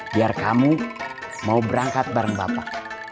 biar kamu mau berangkat bareng bapak